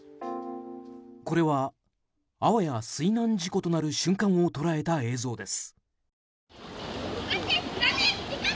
これは、あわや水難事故となる瞬間を捉えた映像です。